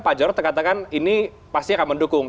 pak jarod terkatakan ini pasti akan mendukung